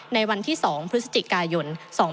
ในวันที่๒พฤศจิกายน๒๕๖๒